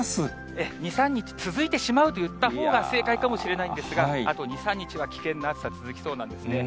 ええ、２、３日続いてしまうといったほうが正解かもしれないんですが、あと２、３日は危険な暑さ続きそうなんですね。